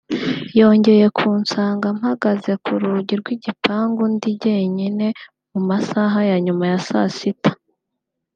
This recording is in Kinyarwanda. yongeye kunsanga mpagaze ku rugi rw’igipangu ndi jyenyine mu masaha ya nyuma ya saa sita